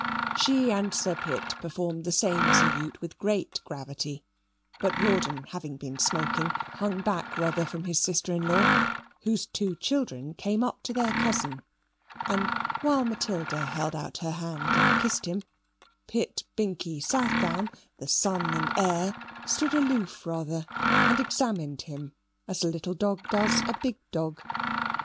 She and Sir Pitt performed the same salute with great gravity; but Rawdon, having been smoking, hung back rather from his sister in law, whose two children came up to their cousin; and, while Matilda held out her hand and kissed him, Pitt Binkie Southdown, the son and heir, stood aloof rather and examined him as a little dog does a big dog.